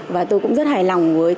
và tôi cũng rất hài lòng với cái